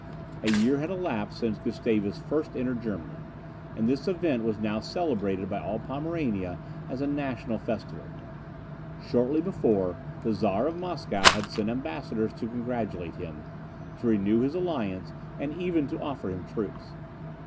A year had elapsed since Gustavus first entered Germany, and this event was now celebrated by all Pomerania as a national festival. Shortly before, the Czar of Moscow had sent ambassadors to congratulate him, to renew his alliance, and even to offer him troops.